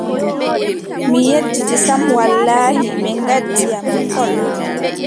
Mi yedditi sam wallaahi, ɓe ngaddi am lekkol.